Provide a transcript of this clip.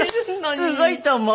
すごいと思う。